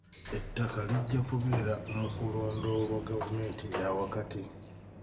Ettaka lijja kubeera mu kulondoolwa gavumenti eya wakati.